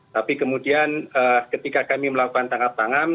tapi kemudian ketika kami melakukan tangkap tangan